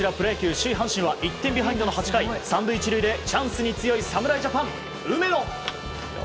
首位、阪神は１点ビハインドの８回３塁１塁でチャンスに強い侍ジャパン梅野。